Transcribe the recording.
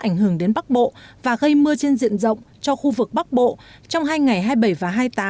ảnh hưởng đến bắc bộ và gây mưa trên diện rộng cho khu vực bắc bộ trong hai ngày hai mươi bảy và hai mươi tám